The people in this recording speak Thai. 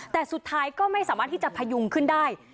แต่สุดท้ายก็ไม่สามารถที่จะพยุงขึ้นได้